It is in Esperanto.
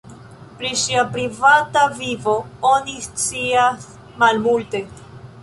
Pri ŝia privata vivo oni scias malmulte.